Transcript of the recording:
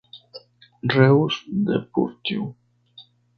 Reus Deportiu.